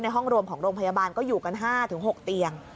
ห้องรวมของโรงพยาบาลก็อยู่กัน๕๖เตียง